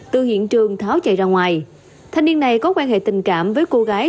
từ hiện trường tháo chạy ra ngoài thanh niên này có quan hệ tình cảm với cô gái